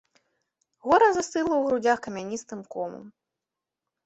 Гора застыла ў грудзях камяністым комам.